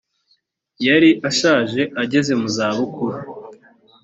yari ashaje ageze mu zabukuru